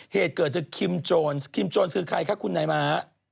เหตุเกิดจากคิมโจรคิมโจรคือใครคะคุณนายม้า